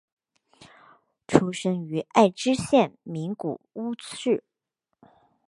出生于爱知县名古屋市。